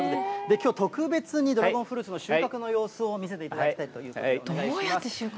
きょう、特別にドラゴンフルーツの収穫の様子を見せていただきたいというどうやって収穫？